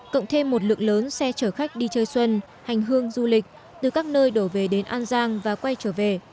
cộng thêm một lượng lớn xe chở khách đi chơi xuân hành hương du lịch từ các nơi đổ về đến an giang và quay trở về